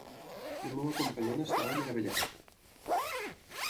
El meu acompanyant estava meravellat...